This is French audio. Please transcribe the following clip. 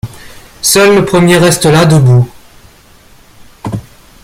Seul le premier reste là, debout.